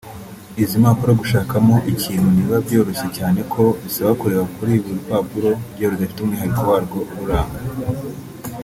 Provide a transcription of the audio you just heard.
Izi mpapuro gushakamo ikintu ntibiba byoroshye cyane ko bisaba kureba kuri buri rupapuro iyo rudafite umwihariko warwo ururanga